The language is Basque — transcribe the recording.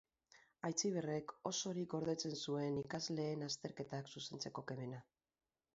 Aitziberrek osorik gordetzen zuen ikasleen azterketak zuzentzeko kemena.